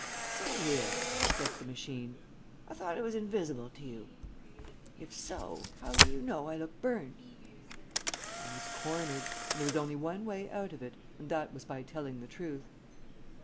"See here," clicked the machine. "I thought I was invisible to you? If so, how do you know I look burned?" I was cornered, and there was only one way out of it, and that was by telling the truth.